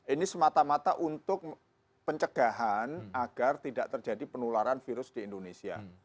ini semata mata untuk pencegahan agar tidak terjadi penularan virus di indonesia